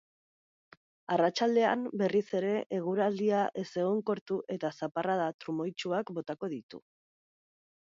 Arratsaldean, berriz ere, eguraldia ezegonkortu eta zaparrada trumoitsuak botako ditu.